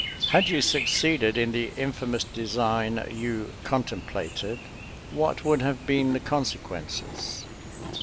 Had you succeeded in the infamous design you contemplated, what would have been the consequences?